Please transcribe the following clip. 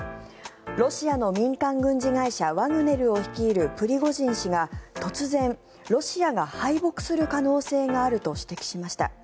ロシアの民間軍事会社ワグネルを率いるプリゴジン氏が突然、ロシアが敗北する可能性があると指摘しました。